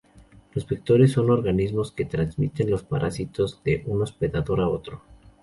Los vectores son organismos que transmiten los parásitos de un hospedador a otro.